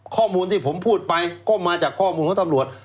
ข้อมูลที่ผมพูดไปก็มาจากข้อมูลของตำรวจ